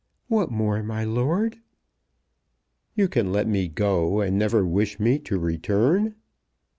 "What more, my lord?" "You can let me go, and never wish me to return?"